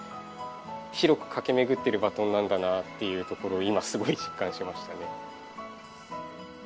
広く駆け巡ってるバトンなんだなっていうところを今すごい実感しましたね。